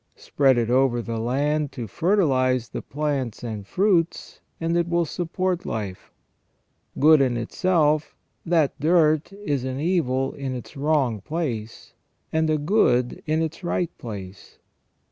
Spread it over the land to fertilize the plants and fruits, and it will support life. Good in itself, that dirt is an evil in its wrong place, and a good in its right place.